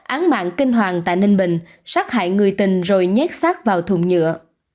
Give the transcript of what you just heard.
án mạng kinh hoàng tại ninh bình sát hại người tình rồi nhét sát vào thùng nhựa